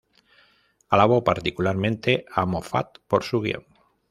Alabó particularmente a Moffat por su guion.